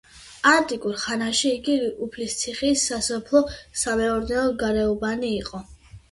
ანტიკურ ხანაში იგი უფლისციხის სასოფლო-სამეურნეო გარეუბანი იყო.